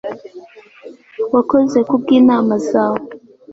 wakoze kubw'inama zawe